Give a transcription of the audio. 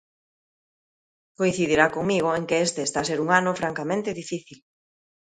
Coincidirá comigo en que este está a ser un ano francamente difícil.